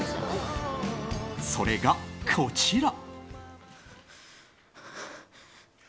それがこちら。